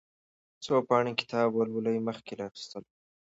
څو پاڼې کتاب ولولئ مخکې له اخيستلو.